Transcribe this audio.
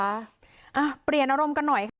อ่ะเปลี่ยนอารมณ์กันหน่อยค่ะ